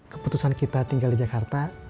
keputusan kita tinggal di jakarta